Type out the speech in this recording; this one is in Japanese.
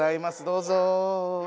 どうぞ。